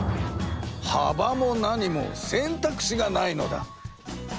幅も何も選択肢がないのだ！